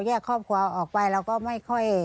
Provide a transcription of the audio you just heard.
แยกครอบครัวออกไปเราก็ไม่ค่อย